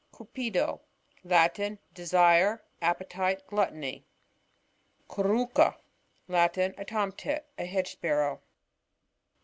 CiTPiDo. — Latin. Desire, appetHe, gluttony. CuRRUCA. — Latin. A Tom tit, a Hedge sparrow.